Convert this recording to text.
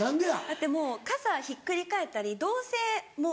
だってもう傘ひっくり返ったりどうせもう下半身。